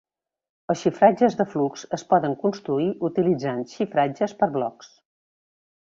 Els xifratges de flux es poden construir utilitzant xifratges per blocs.